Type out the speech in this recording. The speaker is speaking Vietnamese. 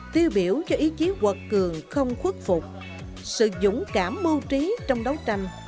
tiêu biểu cho ý chí quật cường không khuất phục sự dũng cảm mưu trí trong đấu tranh